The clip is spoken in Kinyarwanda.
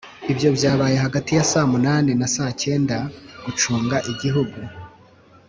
Ibyo byabaye hagati ya saa munani na saa cyenda gucunga igihugu